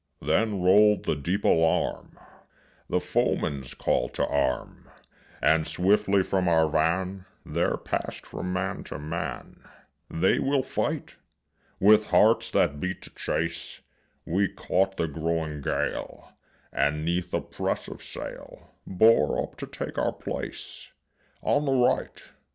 Then rolled the deep alarm The foeman's call to arm; And swiftly from our van There pass'd from man to man, "They will fight." With hearts that beat to chase We caught the growing gale, And 'neath a press of sail Bore up to take our place On the right.